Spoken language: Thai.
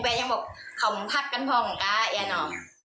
แบนยังบอกขอบคุณพักกันพอขอไม่ต้อง